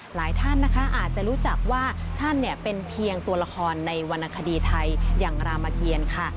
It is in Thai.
หลายท่านนะคะอาจจะรู้จักว่าท่านเป็นเพียงตัวละครในวรรณคดีไทยอย่างรามเกียรค่ะ